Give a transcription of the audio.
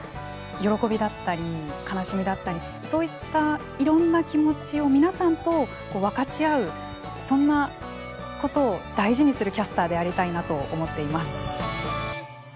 喜びだったり悲しみだったりそういったいろんな気持ちを皆さんと分かち合うそんなことを大事にするキャスターでありたいなと思っています。